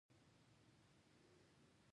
لتمس د تیزاب او القلي له خوا اغیزمن کیږي.